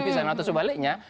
bisa yang atas sebaliknya